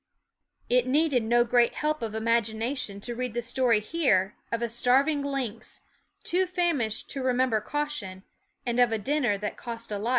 It needed no great help of imagination to read the story here of a starv ing lynx, too famished to remember caution, and of a dinner that cost a life.